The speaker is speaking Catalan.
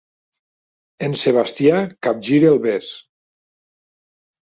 En Sebastià capgira el bes.